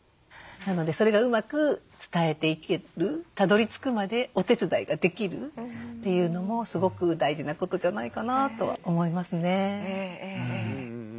なのでそれがうまく伝えていけるたどり着くまでお手伝いができるというのもすごく大事なことじゃないかなとは思いますね。